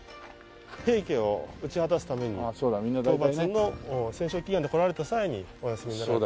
平家を討ち果たすために討伐の戦勝祈願で来られた際にお休みになられたと。